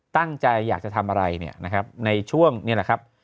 ตั้งใจอยากจะทำอะไรเนี่ยนะครับในช่วงนี้แหละครับ